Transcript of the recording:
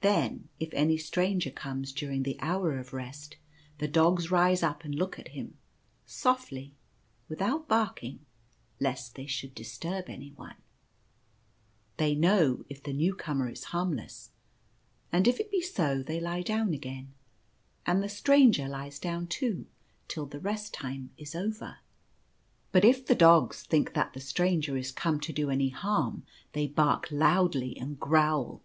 Then if any stranger comes during the hour of Rest, the dogs rise up and look at him, softly, without barking, lest they should disturb anyone. They know if the new comer is harmless ; and if it be so they lie down again, and the stranger lies down too till the Rest Time is over. 4 "the Portal. But if the dogs think that the stranger is come to do any harm, they bark loudly and growl.